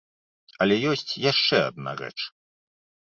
Але ёсць яшчэ адна рэч.